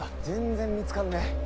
全然見つからねえ。